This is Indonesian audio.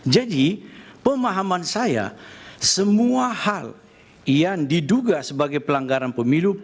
jadi pemahaman saya semua hal yang diduga sebagai pelanggaran pemilu